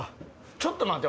ちょっと待って。